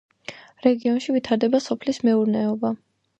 რეგიონში ვითარდება სოფლის მეურნეობა.